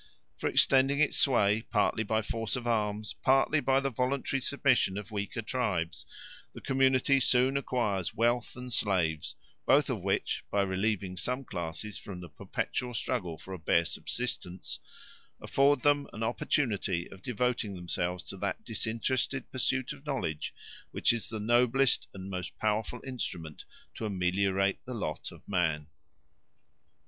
For extending its sway, partly by force of arms, partly by the voluntary submission of weaker tribes, the community soon acquires wealth and slaves, both of which, by relieving some classes from the perpetual struggle for a bare subsistence, afford them an opportunity of devoting themselves to that disinterested pursuit of knowledge which is the noblest and most powerful instrument to ameliorate the lot of man.